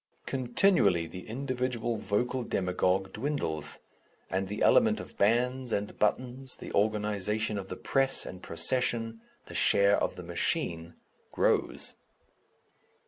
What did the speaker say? Continually the individual vocal demagogue dwindles, and the element of bands and buttons, the organization of the press and procession, the share of the machine, grows.